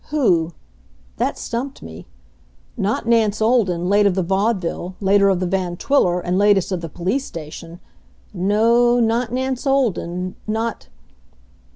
Who? That stumped me. Not Nance Olden, late of the Vaudeville, later of the Van Twiller, and latest of the police station. No not Nance Olden ... not